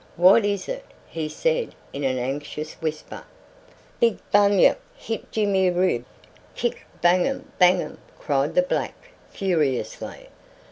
"What is it?" he said in an anxious whisper. "Big bunyip hit Jimmy rib; kick, bangum, bangum!" cried the black furiously.